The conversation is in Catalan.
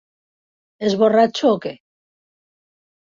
És borratxo o què?